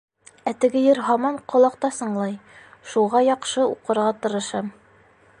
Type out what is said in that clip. Ә теге йыр һаман ҡолаҡта сыңлай: Шуға яҡшы уҡырға тырышам.